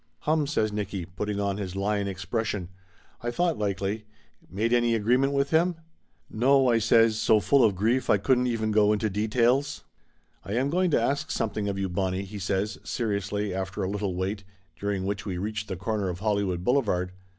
"Hum !" says Nicky, putting on his lion expression. "I thought likely. Made any agreement with him?" "No," I says, so full of grief I couldn't even go into details. "I am going to ask something of you, Bonnie," he says, seriously after a little wait, during which we reached the corner of Hollywood Boulevard.